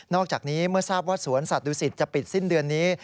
อกจากนี้เมื่อทราบว่าสวนสัตวศิษฐ์จะปิดสิ้นเดือนนี้